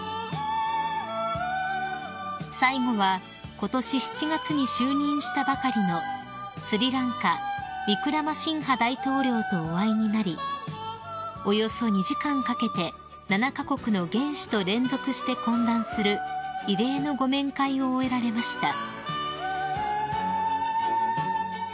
［最後はことし７月に就任したばかりのスリランカウィクラマシンハ大統領とお会いになりおよそ２時間かけて７カ国の元首と連続して懇談する異例のご面会を終えられました］